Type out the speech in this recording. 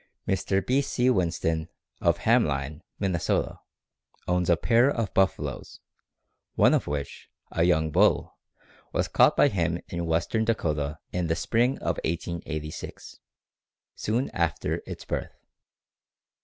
Mr. B. C. Winston, of Hamline, Minnesota, owns a pair of buffaloes, one of which, a young bull, was caught by him in western Dakota in the spring of 1886, soon after its birth.